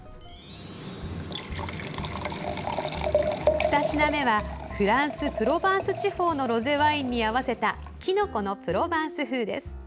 ２品目はフランス・プロバンス地方のロゼワインに合わせたきのこのプロバンス風です。